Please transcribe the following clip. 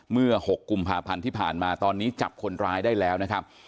๖กุมภาพันธ์ที่ผ่านมาตอนนี้จับคนร้ายได้แล้วนะครับ